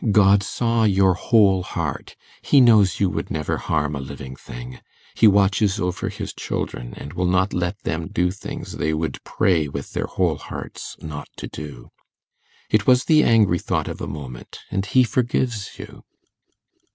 God saw your whole heart; He knows you would never harm a living thing. He watches over His children, and will not let them do things they would pray with their whole hearts not to do. It was the angry thought of a moment, and He forgives you.